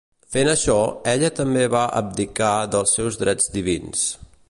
Fent això, ella també va abdicar dels seus drets divins.